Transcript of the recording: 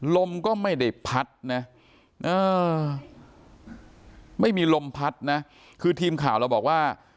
ลมก็ไม่ได้พัดนะไม่มีลมพัดนะคือทีมข่าวเราบอกว่า